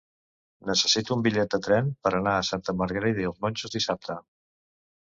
Necessito un bitllet de tren per anar a Santa Margarida i els Monjos dissabte.